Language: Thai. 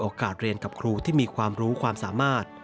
เรียนกับครูที่มีความรู้ความสามารถ